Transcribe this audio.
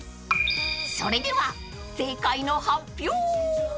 ［それでは正解の発表］